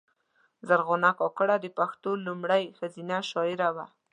زرغونه کاکړه د پښتو لومړۍ ښځینه شاعره وه